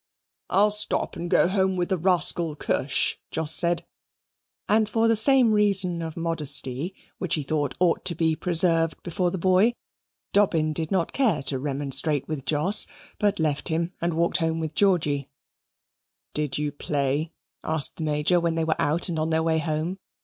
"I'll stop and go home with that rascal, Kirsch," Jos said; and for the same reason of modesty, which he thought ought to be preserved before the boy, Dobbin did not care to remonstrate with Jos, but left him and walked home with Georgy. "Did you play?" asked the Major when they were out and on their way home.